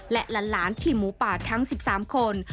และหลานทีมหมูป่าทั้ง๑๓คน